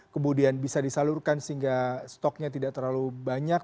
kemudian bisa disalurkan sehingga stoknya tidak terlalu banyak